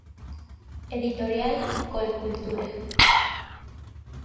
Editorial: Colcultura.